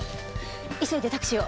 急いでタクシーを。